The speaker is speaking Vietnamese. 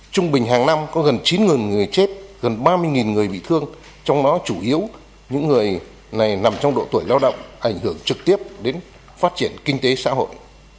trung bình hàng năm có gần chín người chết gần ba mươi người bị thương trong đó chủ yếu những người này nằm trong độ tuổi lao động ảnh hưởng trực tiếp đến phát triển kinh tế xã hội